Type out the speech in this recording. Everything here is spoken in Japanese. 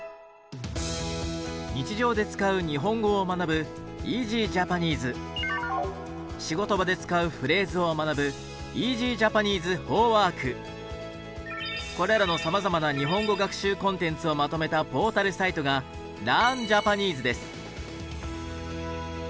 日常で使う日本語を学ぶ仕事場で使うフレーズを学ぶこれらのさまざまな日本語学習コンテンツをまとめたポータルサイトが「ＬｅａｒｎＪａｐａｎｅｓｅ」です。